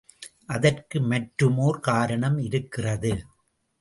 அதற்கு மற்றுமோர் காரணம் இருக்கிறது.